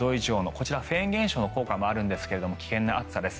こちらフェーン現象の効果もあるんですが危険な暑さです。